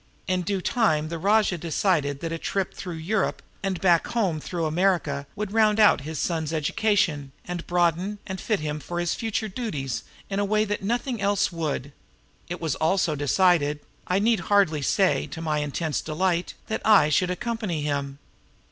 "In due time the rajah decided that a trip through Europe and back home through America would round out his son's education, and broaden and fit him for his future duties in a way that nothing else would. It was also decided, I need hardly say to my intense delight, that I should accompany him.